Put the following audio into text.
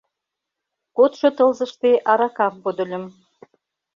Кодшо тылзыште аракам подыльым.